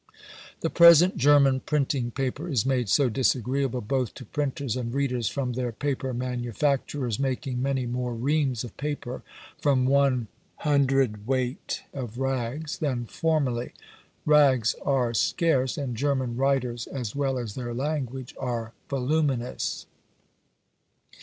The present German printing paper is made so disagreeable both to printers and readers from their paper manufacturers making many more reams of paper from one cwt. of rags than formerly. Rags are scarce, and German writers, as well as their language, are voluminous.